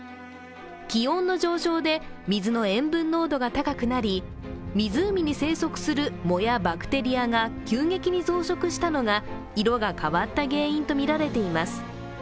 気温の上昇で水の塩分濃度が高くなり湖に生息する藻やバクテリアが急激に増殖したのが色が変わった原因とみられています。